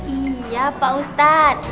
iya pak ustaz